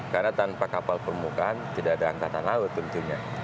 karena tanpa kapal permukaan tidak ada angkatan laut tentunya